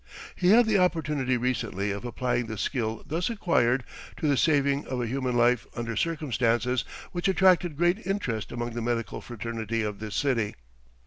He had the opportunity recently of applying the skill thus acquired to the saving of a human life under circumstances which attracted great interest among the medical fraternity of this city.